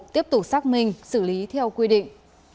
tiếp tục xác minh xử lý theo quy định